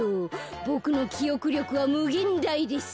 ボクのきおくりょくはむげんだいです。